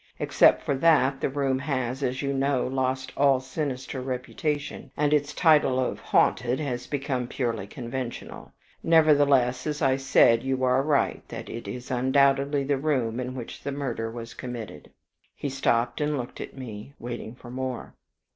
Except for that, the room has, as you know, lost all sinister reputation, and its title of 'haunted' has become purely conventional. Nevertheless, as I said, you are right that is undoubtedly the room in which the murder was committed." He stopped and looked up at me, waiting for more.